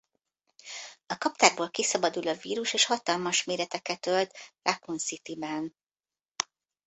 A Kaptárból kiszabadul a vírus és hatalmas méreteket ölt Racoon City-ben.